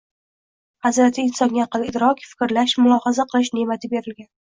Hazrati insonga aql-idrok, fikrlash, mulohaza qilish neʼmati berilgan.